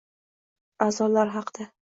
A’zolar haqida